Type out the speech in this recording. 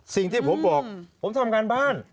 สิ่งที่ผมบอกผมทำงานบ้าน